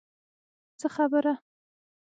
څه خبره.